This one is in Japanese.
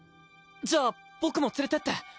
じゃあ僕も連れてって。